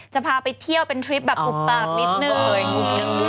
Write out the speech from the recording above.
จะพาไปเที่ยวเป็นทริปแบบอุบปากนิดนึง